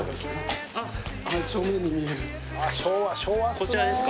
こちらですか？